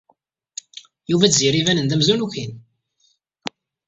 Yuba d Tiziri banen-d amzun ukin.